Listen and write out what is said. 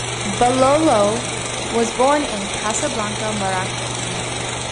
Belolo was born in Casablanca, Morocco.